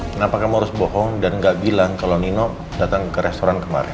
kenapa kamu harus bohong dan gak bilang kalau nino datang ke restoran kemarin